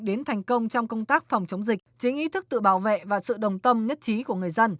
đến thành công trong công tác phòng chống dịch chính ý thức tự bảo vệ và sự đồng tâm nhất trí của người dân